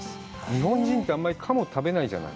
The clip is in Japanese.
日本人って、あんまり鴨食べないじゃない？